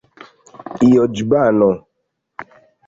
loĵbano